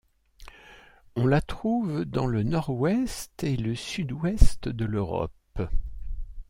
On la trouve dans le nord-ouest et le sud-ouest de l'Europe.